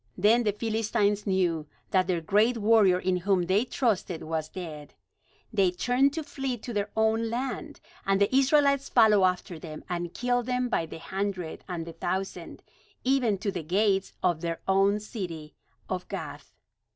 Then the Philistines knew that their great warrior in whom they trusted was dead. They turned to flee to their own land; and the Israelites followed after them, and killed them by the hundred and the thousand, even to the gates of their own city of Gath.